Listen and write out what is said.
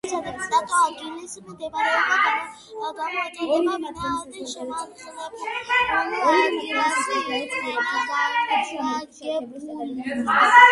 სახელი სადეპუტატო ადგილების მდებარეობის გამო ეწოდათ ვინაიდან შემაღლებულ ადგილას იყვნენ განლაგებულნი.